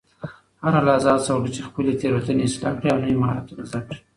هره لحظه هڅه وکړه چې خپلې تیروتنې اصلاح کړې او نوي مهارتونه زده کړې.